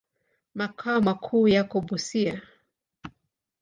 Makao makuu yako Busia.